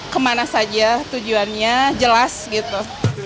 kemana saja tujuannya jelas gitu